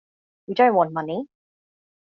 We don't want money.